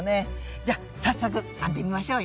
じゃ早速編んでみましょうよ。